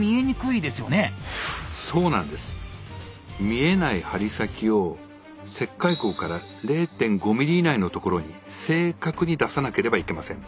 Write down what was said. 見えない針先を切開口から０．５ｍｍ以内のところに正確に出さなければいけません。